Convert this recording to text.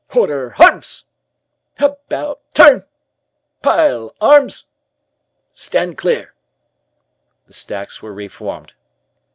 "Order Arms! About Turn! Pile Arms! Stand Clear." The stacks were re formed.